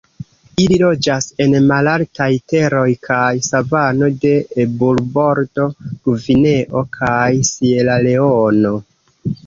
Ili loĝas en malaltaj teroj kaj savano de Eburbordo, Gvineo kaj Sieraleono.